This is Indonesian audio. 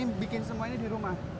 ini bikin semua ini di rumah